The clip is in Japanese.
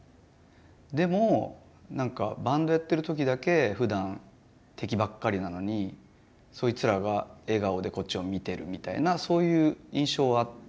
でもなんかバンドやってる時だけふだん敵ばっかりなのにそいつらが笑顔でこっちを見てるみたいなそういう印象はあって。